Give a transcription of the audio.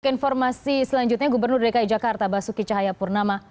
ke informasi selanjutnya gubernur dki jakarta basuki cahayapurnama